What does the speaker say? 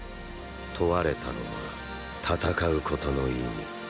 問われたのは戦うことの意味。